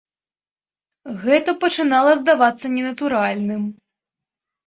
Гэта пачынала здавацца ненатуральным.